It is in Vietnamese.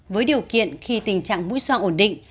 với điều kiện khi tình trạng mũi xoa ổn định